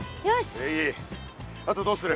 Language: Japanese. あとどうする？